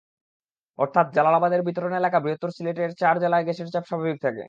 অর্থাৎ জালালাবাদের বিতরণ এলাকা বৃহত্তর সিলেটের চার জেলায় গ্যাসের চাপ স্বাভাবিক থাকে।